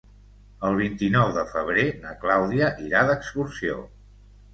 El vint-i-nou de febrer na Clàudia irà d'excursió.